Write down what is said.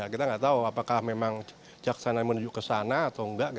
kita nggak tahu apakah memang jaksanan menuju ke sana atau enggak